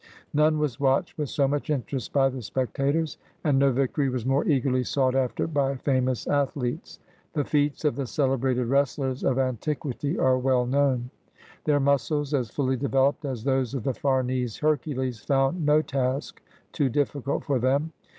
None was watched with so much interest by the specta tors, and no victory was more eagerly sought after by famous athletes. The feats of the celebrated wrestlers of antiquity are well known. Their muscles, as fully developed as those of the Farnese Hercules, found no task too difficult for them.